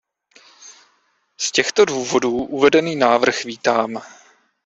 Z těchto důvodů uvedený návrh vítám.